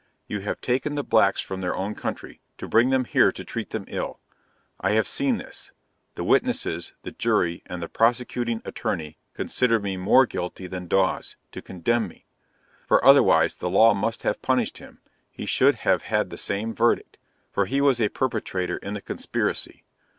You have taken the blacks from their own country, to bring them here to treat them ill. I have seen this. The witnesses, the jury, and the prosecuting Attorney consider me more guilty than Dawes, to condemn me for otherwise the law must have punished him; he should have had the same verdict, for he was a perpetrator in the conspiracy.